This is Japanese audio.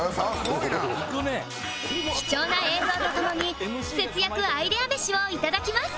貴重な映像と共に節約アイデア飯を頂きます